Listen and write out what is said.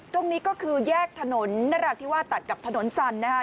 ตรงนี้ก็คือแยกถนนน่ารักที่ว่าตัดกับถนนจันทร์นะครับ